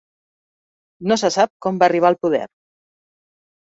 No se sap com va arribar al poder.